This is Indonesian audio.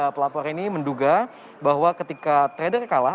pelapor ini menduga bahwa ketika trader kalah